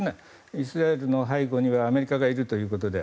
イスラエルの背後にはアメリカがいるということで。